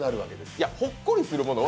いや、ほっこりするものを。